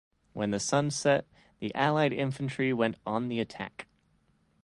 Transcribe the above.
When the sun set, the Allied infantry went on the attack.